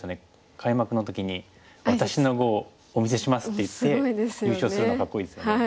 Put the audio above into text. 開幕の時に「私の碁をお見せします」って言って優勝するのかっこいいですよね。